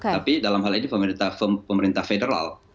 tapi dalam hal ini pemerintah federal